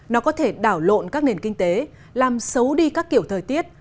nó có thể đảo lộn các nền kinh tế làm xấu đi các kiểu thời tiết